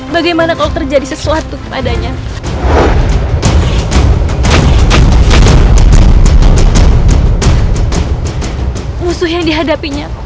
bagaimana kalau terjadi sesuatu kepadanya